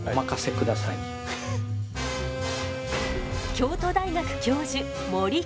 京都大学教授森くん。